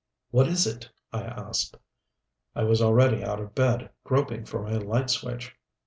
"What is it?" I asked. I was already out of bed, groping for my light switch.